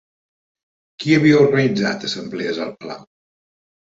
Qui havia organitzat assemblees al Palau?